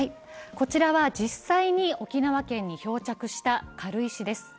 こちらは実際に沖縄県に漂着した軽石です。